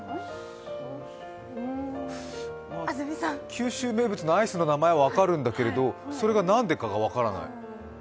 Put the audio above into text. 九州名物のアイスの名前は分かるんだけれどもそれがなんでかが分からない。